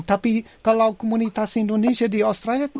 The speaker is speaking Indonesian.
tapi kalau komunitas indonesia di australia